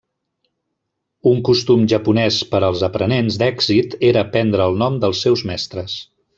Un costum japonès per als aprenents d'èxit era prendre el nom dels seus mestres.